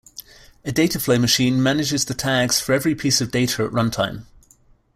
A dataflow machine manages the tags for every piece of data at runtime.